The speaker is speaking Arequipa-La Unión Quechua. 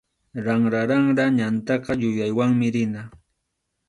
Ranraranra ñantaqa yuyaywanmi rina.